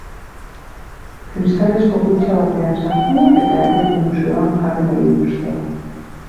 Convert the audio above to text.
Kristalezko kutxa batean sartu eta herriko museoan jarri nahi dituzte.